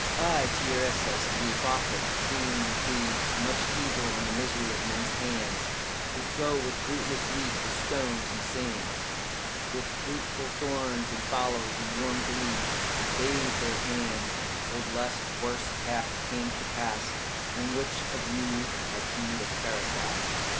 I, Tiresias the prophet, seeing in Thebes Much evil, and the misery of men's hands Who sow with fruitless wheat the stones and sands, With fruitful thorns the fallows and warm glebes, Bade their hands hold lest worse hap came to pass; But which of you had heed of Tiresias?